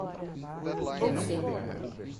Bonfim